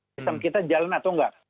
sistem kita jalan atau enggak